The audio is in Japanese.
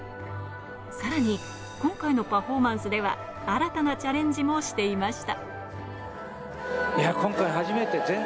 さらに今回のパフォーマンスでは新たなチャレンジもしていました。